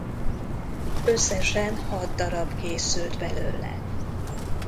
Összesen hat db készült belőle.